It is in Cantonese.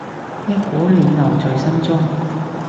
一股暖流在心中